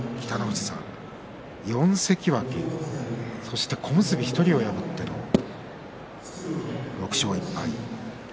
４関脇、そして小結１人を破って６勝１敗。